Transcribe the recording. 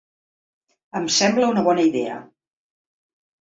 Em sembla una bona idea.